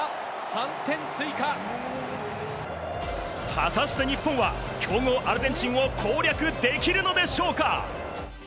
果たして日本は強豪アルゼンチンを攻略できるのでしょうか？